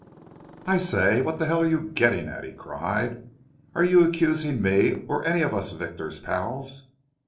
"I say, what the hell are you getting at?" he cried. "Are you accusing me or any of us Victor's pals?"